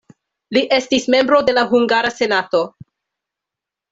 Li estis membro de la hungara senato.